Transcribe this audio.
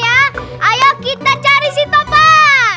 ayo kita cari si top